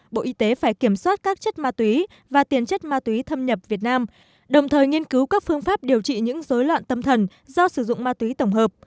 bộ y tế phải kiểm soát các chất ma túy và tiền chất ma túy thâm nhập việt nam đồng thời nghiên cứu các phương pháp điều trị những dối loạn tâm thần do sử dụng ma túy tổng hợp